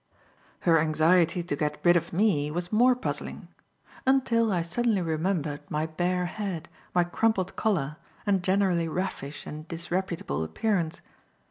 Her anxiety to get rid of me was more puzzling, until I suddenly remembered my bare head, my crumpled collar and generally raffish and disreputable appearance.